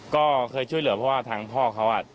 ก็เคยช่วยเหลือเพราะว่าทางพ่อเขา